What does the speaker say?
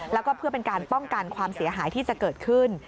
แล้วก็เพื่อเป็นการป้องกันความเสียหายที่จะเกิดขึ้น